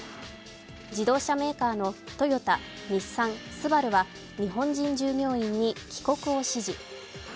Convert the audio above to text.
自動車メーカーのトヨタ、日産、ＳＵＢＡＲＵは日本人従業員に帰国を指示。